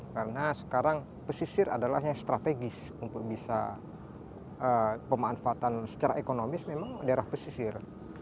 karena sekarang pesisir adalah yang strategis untuk bisa pemanfaatan secara ekonomis memang daerah pesisir